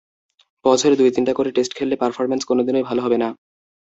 বছরে দু-তিনটা করে টেস্ট খেললে পারফরম্যান্স কোনো দিনই ভালো হবে না।